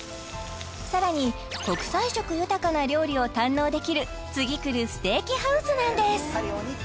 さらに国際色豊かな料理を堪能できる次くるステーキハウスなんです